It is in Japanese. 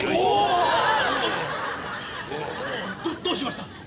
どうしました？